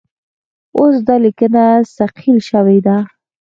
اوس دا لیکنه صیقل شوې ده.